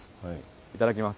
いただきます。